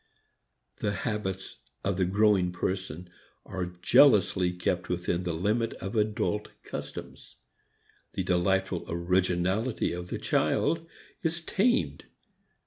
The habits of the growing person are jealously kept within the limit of adult customs. The delightful originality of the child is tamed.